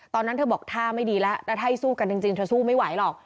ตอนนั้นเธอบอกท่าไม่ดีแล้วถ้าให้สู้กันจริงเธอสู้ไม่ไหวหรอก